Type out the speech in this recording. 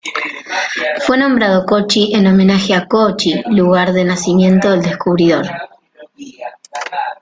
Fue nombrado Kochi en homenaje a Kōchi lugar de nacimiento del descubridor.